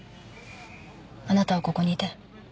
あなたはここにいて。